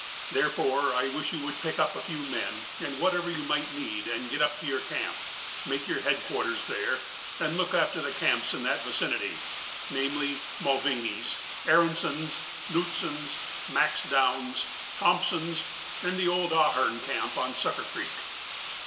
Therefore I wish you would pick up a few men and whatever you might need and get up to your camp, make your headquarters there, and look after the camps in that vicinity, namely: Mulvaneyâs, Aronsonâs, Knutsonâs, Max Downâs, Thompsonâs, and the old Ahern Camp on Sucker Creek.